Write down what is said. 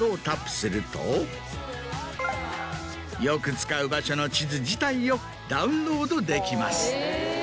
よく使う場所の地図自体をダウンロードできます。